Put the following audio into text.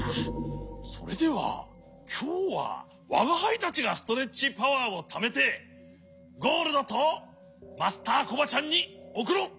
それではきょうはわがはいたちがストレッチパワーをためてゴールドとマスターコバちゃんにおくろう！